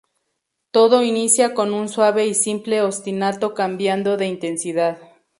Todo inicia con un suave y simple ostinato cambiando de intensidad.